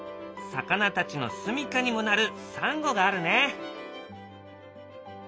魚たちのすみかにもなるサンゴがあるね。